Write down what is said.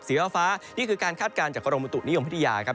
สีเว้าฟ้านี่คือการคาดการณ์จากกรมตุนิยมพฤติยาครับ